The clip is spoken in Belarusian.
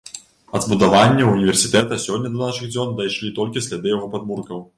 Ад збудаванняў універсітэта сёння да нашых дзён дайшлі толькі сляды яго падмуркаў.